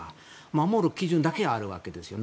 守る基準だけあるわけですよね。